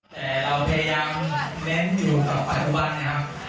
แต่เราพยายามเน้นอยู่กับปัจจุบันนะครับ